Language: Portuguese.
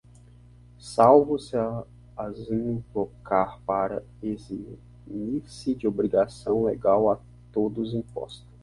salvo se as invocar para eximir-se de obrigação legal a todos imposta